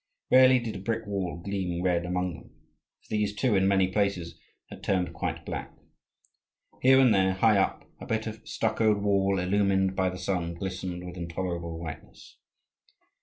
Rarely did a brick wall gleam red among them; for these too, in many places, had turned quite black. Here and there, high up, a bit of stuccoed wall illumined by the sun glistened with intolerable whiteness.